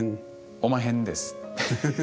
おまへんです。